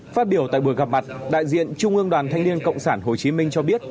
phát biểu tại buổi gặp mặt đại diện trung ương đoàn thanh niên cộng sản hồ chí minh cho biết